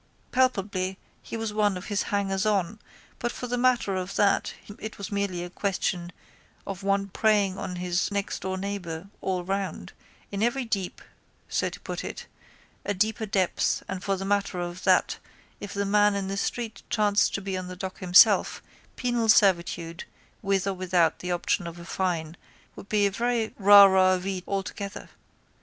Palpably he was one of his hangerson but for the matter of that it was merely a question of one preying on his nextdoor neighbour all round, in every deep, so to put it, a deeper depth and for the matter of that if the man in the street chanced to be in the dock himself penal servitude with or without the option of a fine would be a very rara avis altogether.